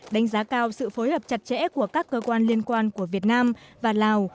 đánh giá cao sự phối hợp chặt chẽ của các cơ quan liên quan của việt nam và lào